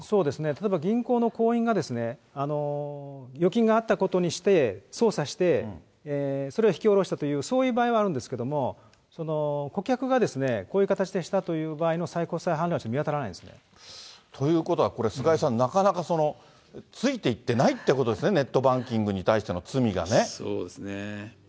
例えば銀行の行員が、預金があったことにして、操作して、それを引き下ろしたという、そういう場合はあるんですけれども、顧客がこういう形でしたという場合の最高裁判例は、ちょっと見当ということは、これ、菅井さん、なかなかついていってないってことですね、ネットバンキングそうですね。